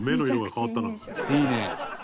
いいね。